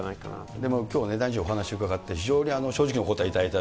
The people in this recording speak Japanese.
でもきょうね、大臣お話伺って、非常に正直にお答えいただいた。